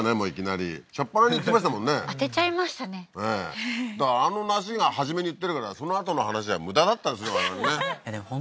いきなりしょっぱなに言ってましたもんね当てちゃいましたねねえだからあの梨が初めに言ってるからそのあとの話は無駄だったですね